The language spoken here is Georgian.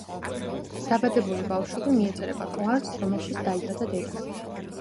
დაბადებული ბავშვები მიეწერება კლანს, რომელშიც დაიბადა დედა.